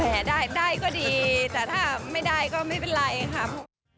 ได้ได้ก็ดีแต่ถ้าไม่ได้ก็ไม่เป็นไรครับ